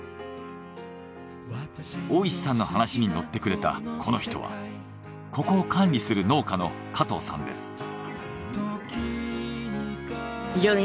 大石さんの話にのってくれたこの人はここを管理する農家の加藤さんです。